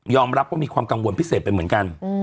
รับว่ามีความกังวลพิเศษไปเหมือนกัน